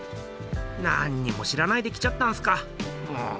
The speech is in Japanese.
なんにも知らないで来ちゃったんすかもう。